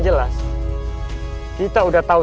lepas su diam